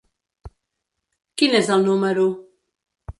Quin és el número?